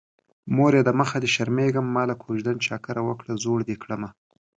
مورې د مخه دې شرمېږم ماله کوژدن چا کره وکړه زوړ دې کړمه